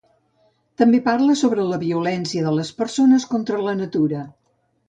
També parla sobre la violència de les persones contra la natura.